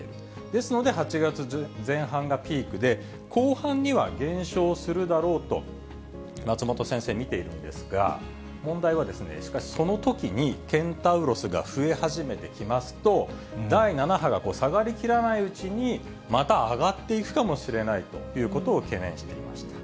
ですので、８月前半がピークで、後半には減少するだろうと、松本先生、見ているんですが、問題は、しかしそのときにケンタウロスが増え始めてきますと、第７波が下がりきらないうちに、また上がっていくかもしれないということを懸念していました。